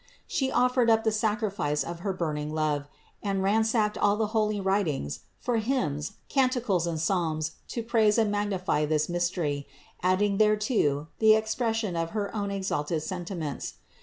She offered up the sacrifice of her burning love, and ransacked all the holy writings for hymns, canticles and psalms to praise and magnify this mystery, adding thereto the expression of her own exalted sentiments.